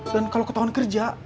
dan kalau ketahuan kerja